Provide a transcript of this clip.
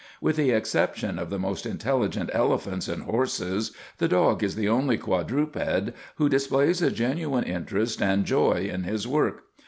With the exception of the most intelligent elephants and horses, the dog is the only quadruped who displays a genuine interest and joy in his work.